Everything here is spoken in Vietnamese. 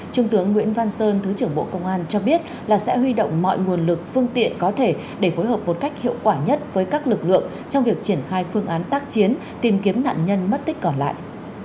trung tướng nguyễn văn sơn thứ trưởng bộ công an cho biết là sẽ huy động mọi nguồn lực phương tiện có thể để phối hợp một cách hiệu quả nhất với các lực lượng trong việc triển khai phương án tác chiến tìm kiếm nạn nhân mất tích còn lại